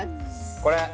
これ？